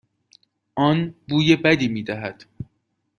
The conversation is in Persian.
آن بوی بدی میدهد.